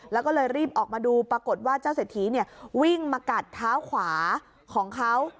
แล้วก็เลยรีบออกมาดูปรากฏว่าเจ้าเศรษฐีวิ่งมากัดเท้าขวาของเขา